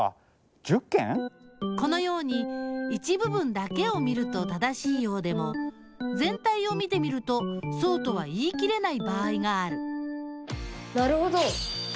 このように一部分だけを見ると正しいようでもぜん体を見てみるとそうとは言い切れない場合があるなるほど！